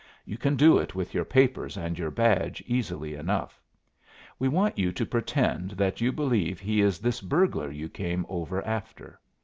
You can do it with your papers and your badge easily enough. We want you to pretend that you believe he is this burglar you came over after.